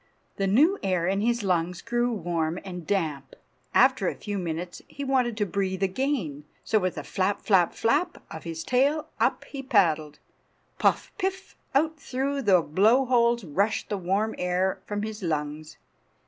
The new air in his lungs grew warm and damp. After a few minutes he wanted to breathe again. So with a flap flap flap of his tail up he paddled. Puff, piff! out through the blow holes rushed the warm air from his lungs.